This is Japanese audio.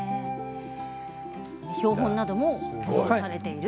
標本なども置かれていると。